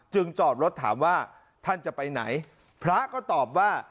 จอดรถถามว่าท่านจะไปไหนพระก็ตอบว่า